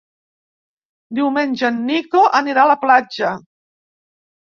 Diumenge en Nico anirà a la platja.